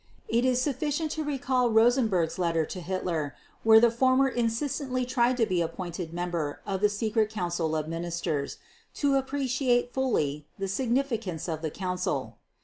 It is sufficient to recall Rosenberg's letter to Hitler where the former insistently tried to be appointed member of the Secret Council of Ministers—to appreciate fully the significance of the Council.